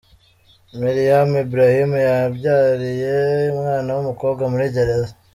Meriam Ibrahim yabyariye umwana w’umukobwa muri gereza.